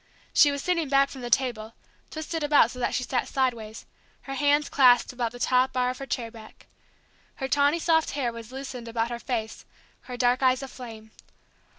She was sitting back from the table, twisted about so that she sat sideways, her hands clasped about the top bar of her chair back. Her tawny soft hair was loosened about her face, her dark eyes aflame.